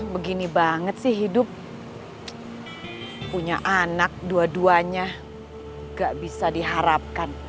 begini banget sih hidup punya anak dua duanya gak bisa diharapkan